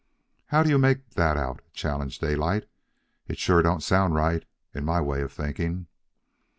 "How do you make that out?" challenged Daylight. "It sure don't sound right, in my way of thinking."